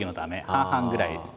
半々ぐらい。